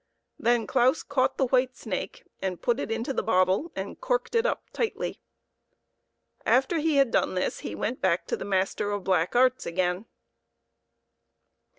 Then Claus caught the white snake, and put it into the bottle and corked it up tightly. After he had done this he went back to the master of black arts again.